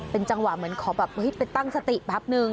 เป็นจังหวะเหมือนขอแบบไปตั้งสติแป๊บนึง